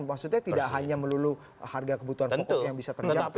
maksudnya tidak hanya melulu harga kebutuhan pokok yang bisa tercapai